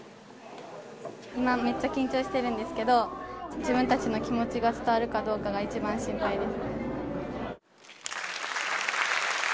今、めっちゃ緊張してるんですけど、自分たちの気持ちが伝わるかどうかが一番心配です。